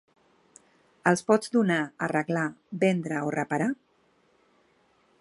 Els pots donar, arreglar, vendre o reparar?